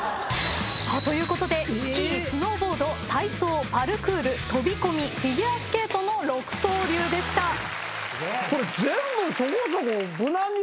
ということでスキースノーボード体操、パルクール飛び込み、フィギュアスケートの６刀流でした。